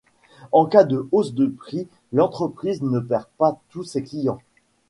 En cas de hausse du prix l'entreprise ne perd pas tous ses clients.